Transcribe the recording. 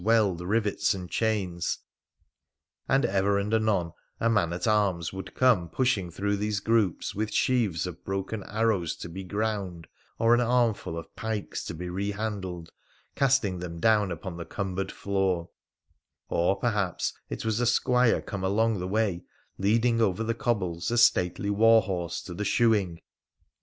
weld rivets and chains ; and ever and anon a man at armi would come pushing through these groups with sheaves o broken arrows to be ground, or an armful of pikes to b< rehandled, casting them down upon the cumbered floor ; oi perhaps it was a squire came along the way leading over th< cobbles a stately war horse to the shoeing.